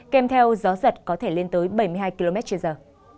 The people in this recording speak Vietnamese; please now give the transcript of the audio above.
kèm theo gió giật có thể lên tới bảy mươi hai km trên giờ